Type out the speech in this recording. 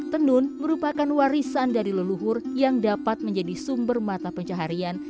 tenun merupakan warisan dari leluhur yang dapat menjadi sumber mata pencaharian